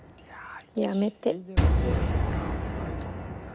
やめて。